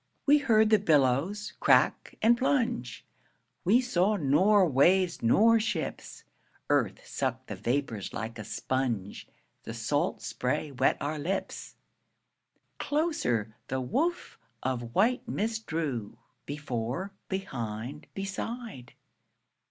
We heard the billows crack and plunge, We saw nor waves nor ships. Earth sucked the vapors like a sponge, The salt spray wet our lips. Closer the woof of white mist drew, Before, behind, beside.